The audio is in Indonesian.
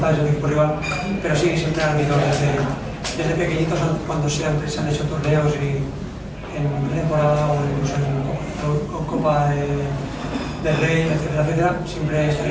akhirnya itu sangat baik untuk berhadapan